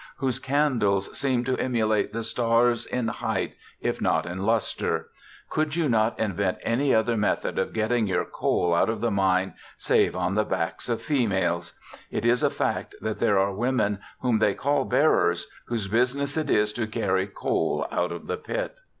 whose candles seem to emulate the stars in height, if not in lustre !!! Could you not invent any other method of getting your coal out of the mine save on the backs of females !!!! It is a fact that there are women whom they call bearers, whose business it is to carry coal out of the pit.'